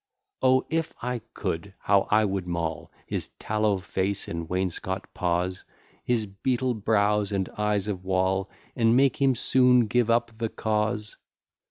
O! if I could, how I would maul His tallow face and wainscot paws, His beetle brows, and eyes of wall, And make him soon give up the cause!